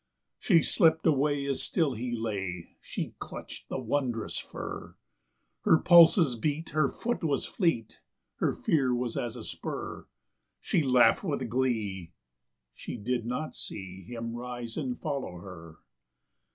She slipped away as still he lay, she clutched the wondrous fur; Her pulses beat, her foot was fleet, her fear was as a spur; She laughed with glee, she did not see him rise and follow her.